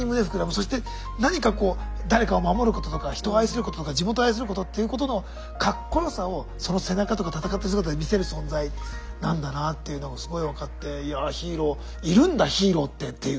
そして何かこう誰かを守ることとか人を愛することとか地元を愛することっていうことのかっこよさをその背中とか戦ってる姿で見せる存在なんだなっていうのがすごい分かっていやヒーローいるんだヒーローってっていう。